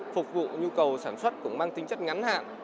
phục vụ nhu cầu sản xuất cũng mang tính chất ngắn hạn